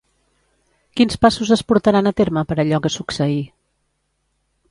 Quins passos es portaran a terme per allò que succeí?